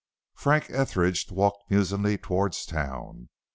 Frank Etheridge walked musingly towards town.